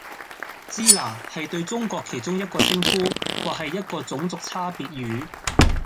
支那，係對中國其中一個稱呼，或係一個種族差別語